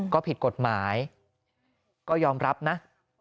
ก็ผิดกฎหมายก็ยอมรับนะ